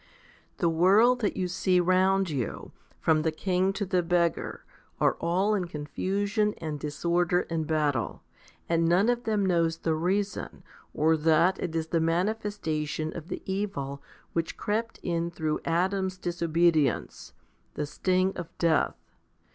The world that you see round you, from the king to the beggar, are all in confusion and disorder and battle, and HOMILY XV 131 none of them knows the reason, or that it is the manifesta tion of the evil which crept in through Adam's disobedience, the sting of death.